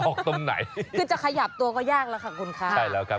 ทุกคนคุณอยากจะขยับตัวแบบนี้ก็อีกแล้วทักคราวครับ